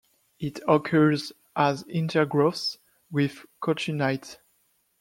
It occurs as intergrowths with cotunnite.